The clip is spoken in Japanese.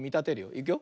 いくよ。